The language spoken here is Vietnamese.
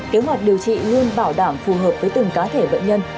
kế hoạch điều trị luôn bảo đảm phù hợp với từng cá thể bệnh nhân